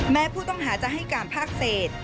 แม้ผู้ต้องหาจะให้การภาคเศษ